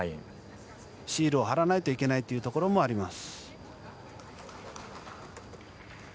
シールを貼らないといけないというところもあります。